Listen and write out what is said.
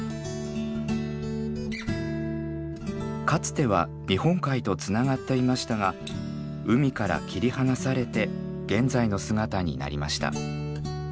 かつては日本海とつながっていましたが海から切り離されて現在の姿になりました。